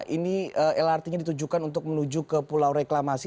ini lrt nya ditujukan untuk menuju ke pulau reklamasi